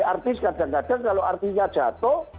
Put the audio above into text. artis kadang kadang kalau artisnya jatuh